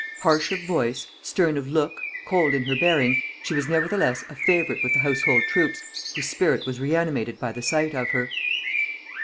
Harsh of voice, stern of look, cold in her bearing, she was nevertheless a favorite with the household troops whose spirit was reanimated by the sight of her.